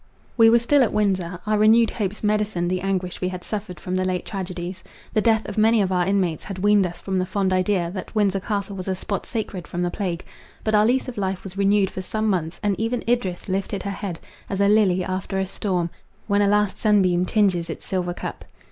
We were still at Windsor; our renewed hopes medicined the anguish we had suffered from the late tragedies. The death of many of our inmates had weaned us from the fond idea, that Windsor Castle was a spot sacred from the plague; but our lease of life was renewed for some months, and even Idris lifted her head, as a lily after a storm, when a last sunbeam tinges its silver cup.